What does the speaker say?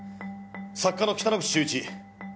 作家の北之口秀一。